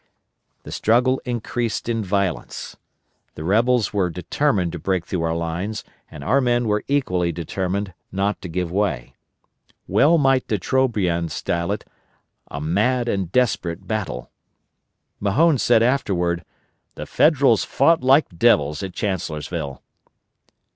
The struggle increased in violence. The rebels were determined to break through our lines, and our men were equally determined not to give way. Well might De Trobriand style it "a mad and desperate battle." Mahone said afterward: "The Federals fought like devils at Chancellorsville."